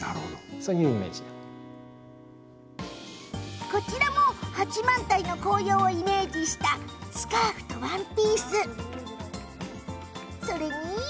そして、こちらも八幡平の紅葉をイメージしたスカーフとワンピース。